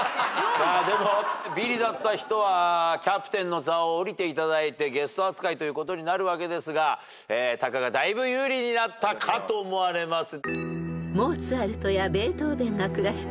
でもビリだった人はキャプテンの座を降りていただいてゲスト扱いということになるわけですがタカがだいぶ有利になったかと思われます。